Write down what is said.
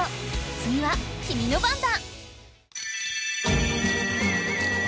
次はキミの番だ！